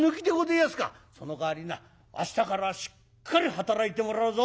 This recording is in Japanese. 「そのかわりな明日からしっかり働いてもらうぞ」。